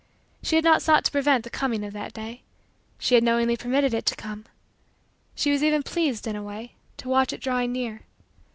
She had not sought to prevent the coming of that day. She had knowingly permitted it to come. She was even pleased in a way to watch it drawing near.